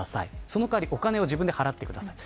その代わりお金を自分で払ってください。